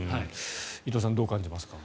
伊藤さんどう感じますか？